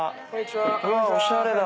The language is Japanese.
うわっおしゃれだ。